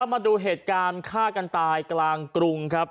มาดูเหตุการณ์ฆ่ากันตายกลางกรุงครับ